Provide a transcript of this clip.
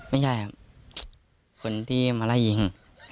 ไม่ใช่ครับคนที่มาไล่ยิง